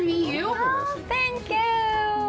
サンキュー